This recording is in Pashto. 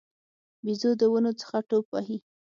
بیزو د ونو څخه ټوپ وهي.